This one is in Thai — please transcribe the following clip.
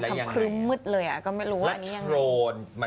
ทำคืนมึดเลยอ่ะก็ไม่รู้ว่าอันนี้ยังไง